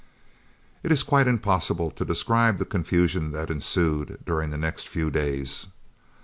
It is quite impossible to describe the confusion that ensued during the next few days.